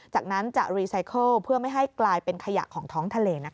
จากนั้นจะรีไซเคิลเพื่อไม่ให้กลายเป็นขยะของท้องทะเล